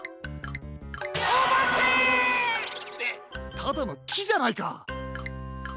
おばけ！ってただのきじゃないか。